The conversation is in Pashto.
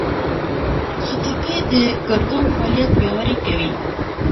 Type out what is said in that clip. خټکی د ګردو فعالیت پیاوړی کوي.